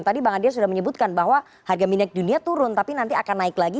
tadi bang adian sudah menyebutkan bahwa harga minyak dunia turun tapi nanti akan naik lagi